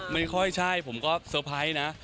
ไม่ค่อยใช่ผมก็เซอร์ไพรส์นะ